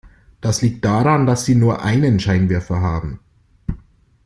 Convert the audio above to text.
Das liegt daran, dass sie nur einen Scheinwerfer haben.